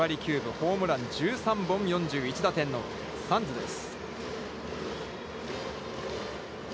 ホームラン１３本、４１打点のサンズです。